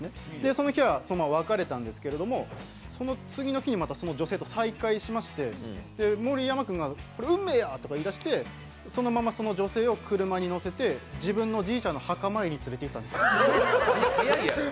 その日はそのまま別れたんですけど、次の日にまたその女性と再会しまして盛山君が運命や！と言い出して、そのままその女性を車に乗せて自分のじいちゃんの墓参りに連れていったんです。